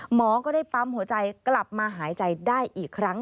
หมอก็ได้ปั๊มหัวใจกลับมาหายใจได้อีกครั้ง